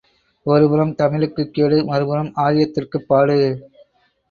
ஒருபுறம் தமிழுக்குக் கேடு, மறுபுறம் ஆரியத்திற்குப் பாடு!